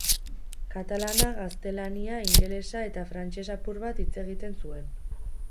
Katalana, gaztelania, ingelesa eta frantses apur bat hitz egiten zuen.